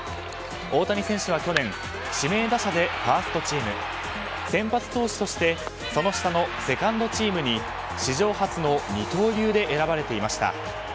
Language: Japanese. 大谷選手は去年指名打者でファーストチーム先発投手としてその下のセカンドチームに史上初の二刀流で選ばれていました。